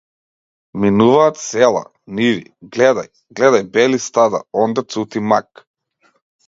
Минуваат села, ниви, гледај, гледај бели стада, онде цути мак!